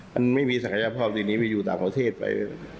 มันไม่มีศักยภาพทีนี้ไปอยู่ต่างประเทศไป